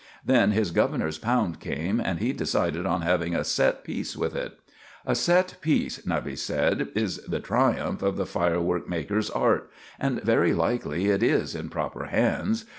Then his governor's pound came, and he decided on having a set piece with it. A set piece, Nubby said, is the triumph of the firework maker's art and very likely it is in proper hands.